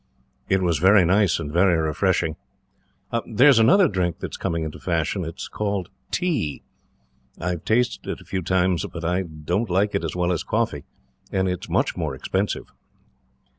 "It is very nice, and very refreshing. There is another drink that is coming into fashion. It is called tea. I have tasted it a few times, but I don't like it as well as coffee, and it is much more expensive."